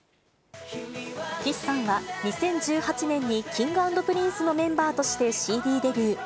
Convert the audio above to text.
岸さんは２０１８年にＫｉｎｇ＆ＰｒｉｎｃｅのメンバーとしてＣＤデビュー。